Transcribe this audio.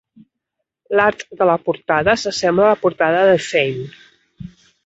L"art de la portada s"assembla a la portada de "Fame".